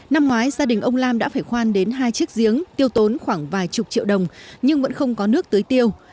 năm ngoái gia đình ông lam đã phải khoan đến hai chiếc giếng tiêu tốn khoảng vài chục triệu đồng nhưng vẫn không có nước tưới tiêu